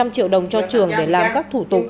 năm trăm linh triệu đồng cho trường để làm các thủ tục